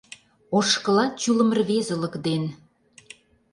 Ошкылат чулым рвезылык ден.